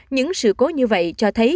những sự cố như vậy cho thấy